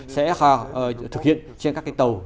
sẽ thực hiện trên các cái tàu